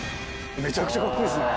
めちゃくちゃカッコいいっすね。